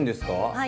はい。